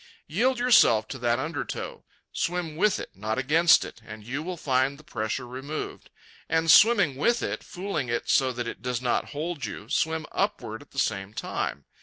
Yield yourself to that undertow. Swim with it, not against it, and you will find the pressure removed. And, swimming with it, fooling it so that it does not hold you, swim upward at the same time.